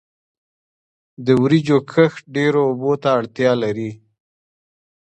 د وریجو کښت ډیرو اوبو ته اړتیا لري.